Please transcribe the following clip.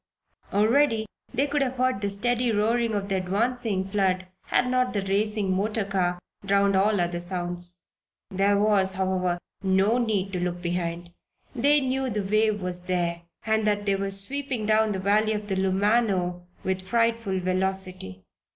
Already they could have heard the steady roaring of the advancing flood had not the racing motor car drowned all other sounds. There was, however, no need to look behind; they knew the wave was there and that it was sweeping down the valley of the Lumano with frightful velocity.